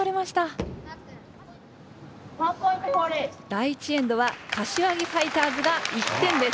第１エンドは柏木ファイターズが１点です。